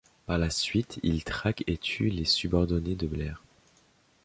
Par la suite, il traque et tue les subordonnés de Blair.